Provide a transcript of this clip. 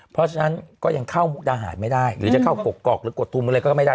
เพราะฉะนั้นก็ยังเข้ามุกดาหารไม่ได้หรือจะเข้ากกอกหรือกดทุมอะไรก็ไม่ได้